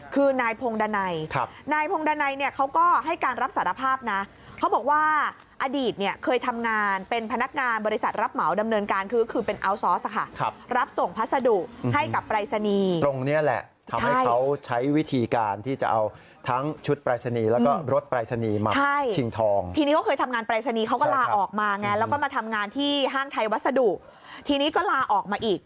คือนายพงดันัยนายพงดันัยเนี่ยเขาก็ให้การรับสารภาพนะเขาบอกว่าอดีตเนี่ยเคยทำงานเป็นพนักงานบริษัทรับเหมาดำเนินการคือคือเป็นอัลซอสค่ะครับรับส่งพัสดุให้กับปรายศนีย์ตรงนี้แหละทำให้เขาใช้วิธีการที่จะเอาทั้งชุดปรายศนีย์แล้วก็รถปรายศนีย์มาชิงทองทีนี้เขาเคยทำงานปรายศนีย์เขาก็ลาออกมาไงแล้วก็มาทำงานที่ห้างไทยวัสดุทีนี้ก็ลาออกมาอีก